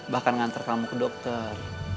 bahkan ngantar kamu ke dokter